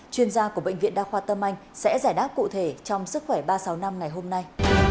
chuyên gia của bệnh viện đa khoa tâm anh sẽ giải đáp cụ thể trong sức khỏe ba trăm sáu mươi năm ngày hôm nay